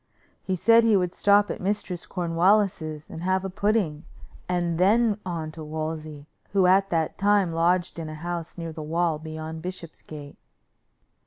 He said he would stop at Mistress Cornwallis's and have a pudding; and then on to Wolsey, who at that time lodged in a house near the wall beyond Bishopsgate.